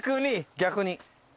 逆に。